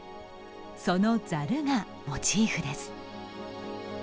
そのざるがモチーフです。